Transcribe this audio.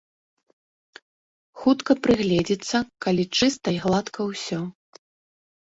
Хутка прыгледзіцца, калі чыста й гладка ўсё.